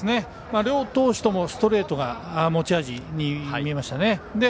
両投手ともストレートが持ち味に見えましたね。